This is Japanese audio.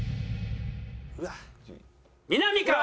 みなみかわ！